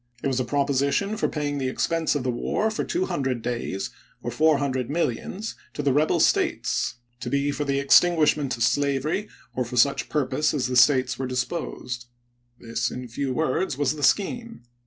It was a proposition for paying the expense of the war for two hundred days, or four hundred millions, to the rebel States, to be for the extinguishment of slavery or for such purpose as the States were disposed. This, in few words, was the scheme.